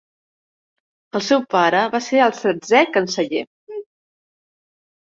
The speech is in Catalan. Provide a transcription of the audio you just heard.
El seu pare va ser el setzè canceller.